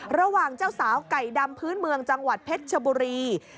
ระหว่างเจ้าสาวไก่ดำพื้นเมืองจังหวัดเพชรชบุรี